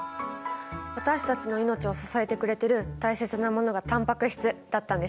私たちの命を支えてくれてる大切なものがタンパク質だったんですね。